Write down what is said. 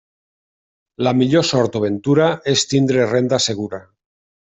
La millor sort o ventura és tindre renda segura.